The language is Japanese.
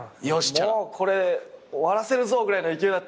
もうこれ終わらせるぞぐらいの勢いだったら。